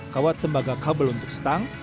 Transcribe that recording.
kawat tembaga kabel untuk stang